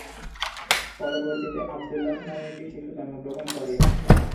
পরবর্তীতে আবদুল্লাহ নামে একটি শিশু জন্মগ্রহণ করে।